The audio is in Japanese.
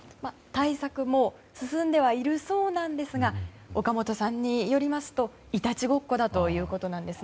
対策も進んではいるそうなんですが岡本さんによりますといたちごっこだということです。